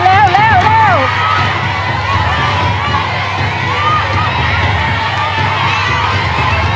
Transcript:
เร็ว